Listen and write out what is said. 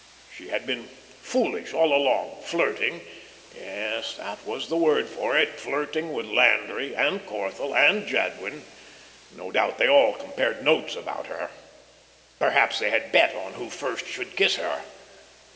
She had been foolish all along, flirting yes, that was the word for it flirting with Landry and Corthell and Jadwin. No doubt they all compared notes about her. Perhaps they had bet who first should kiss her.